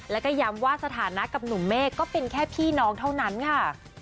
แล้วก็ย้ำว่าสถานะกับหนุ่มเมฆก็เป็นแค่พี่น้องเท่านั้นค่ะ